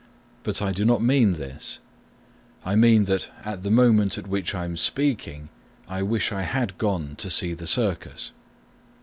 But I do not mean this; I mean that at the moment at which I am speaking I wish I had gone to see the circus.